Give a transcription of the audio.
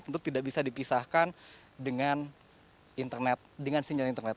tentu tidak bisa dipisahkan dengan internet dengan sinyal internet